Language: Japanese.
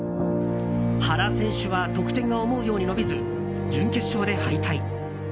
原選手は得点が思うように伸びず準決勝で敗退。